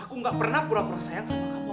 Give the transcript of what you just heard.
aku nggak pernah pura pura sayang sama kamu